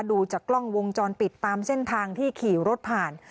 ดูจากกล้องวงจรปิดตามเส้นทางที่ขี่รถผ่าน